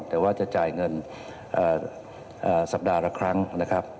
แต่ว่าจะจ่ายเงินสัปดาห์ละครั้งนะครับ